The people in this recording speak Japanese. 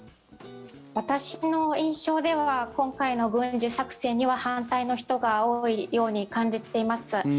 私の印象では今回の軍事作戦には反対の人が多いように感じています。